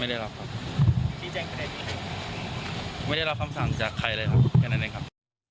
ไม่ได้รับครับไม่ได้รับความสั่งจากใครเลยครับ